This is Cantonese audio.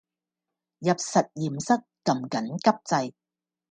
入實驗室㩒緊急掣